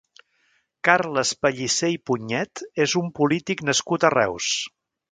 Carles Pellicer i Punyed és un polític nascut a Reus.